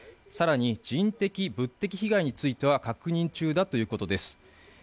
さらに、人的、物的被害については確認中だということです。